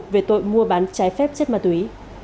về tội mua bán trái phép chết ma túy